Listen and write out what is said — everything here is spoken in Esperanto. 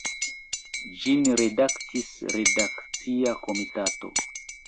Ĝin redaktis redakcia komitato.